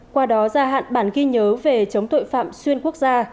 qua đó gia hạn bản ghi nhớ về chống tội phạm xuyên quốc gia